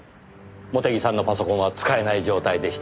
茂手木さんのパソコンは使えない状態でした。